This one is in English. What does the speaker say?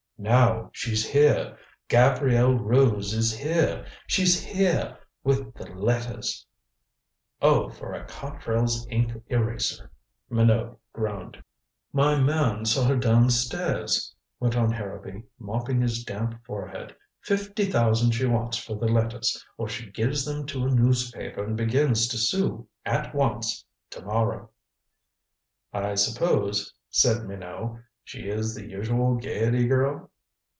"Now she's here. Gabrielle Rose is here. She's here with the letters." "Oh, for a Cotrell's Ink Eraser," Minot groaned. "My man saw her down stairs," went on Harrowby, mopping his damp forehead. "Fifty thousand she wants for the letters or she gives them to a newspaper and begins to sue at once to morrow." "I suppose," said Minot, "she is the usual Gaiety girl."